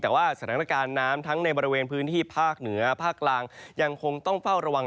แต่ว่าสถานการณ์น้ำทั้งในบริเวณพื้นที่ภาคเหนือภาคกลางยังคงต้องเฝ้าระวัง